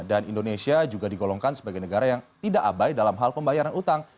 dan indonesia juga digolongkan sebagai negara yang tidak abai dalam hal pembayaran utang